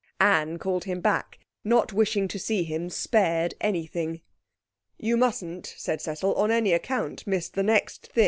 Anne called him back, not wishing to see him spared anything. 'You mustn't,' said Cecil, 'on any account miss the next thing.